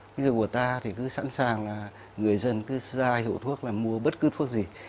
bây giờ của ta thì cứ sẵn sàng là người dân cứ ra hiệu thuốc là mua bất cứ thuốc gì